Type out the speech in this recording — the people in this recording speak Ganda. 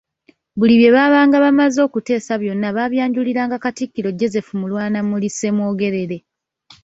Buli bye babaanga bamaze okuteesa byonna babyanjuliranga Katikkiro Joseph Mulwanyammuli Ssemwogerere.